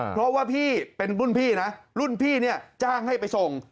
เพราะว่าพี่เป็นรุ่นพี่นะรุ่นพี่เนี่ยจ้างให้ไปส่ง